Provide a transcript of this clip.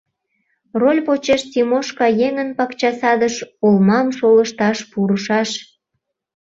Роль почеш Тимошка еҥын пакча садыш олмам шолышташ пурышаш.